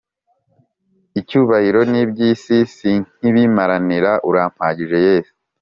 Icyubahiro n’ibyisi sinkibimaranira urampagije yesu